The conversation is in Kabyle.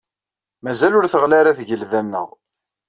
Mazal ur teɣli ara tgelda-nneɣ